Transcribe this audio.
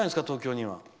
東京には。